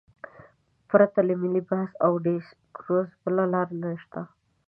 پرته له ملي بحث او ډیسکورس بله لار نشته.